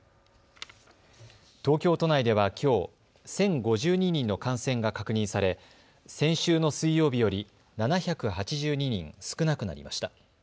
東京都内ではきょう１０５２人の感染が確認され先週の水曜日より７８２人少なくなりました。